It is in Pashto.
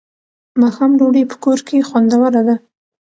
ماښام ډوډۍ په کور کې خوندوره ده.